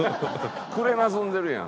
くれなずんでるやん。